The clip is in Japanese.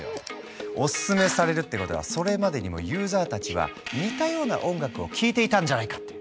おすすめされるってことはそれまでにもユーザーたちは似たような音楽を聞いていたんじゃないかって。